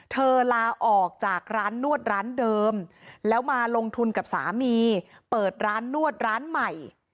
ลาออกจากร้านนวดร้านเดิมแล้วมาลงทุนกับสามีเปิดร้านนวดร้านใหม่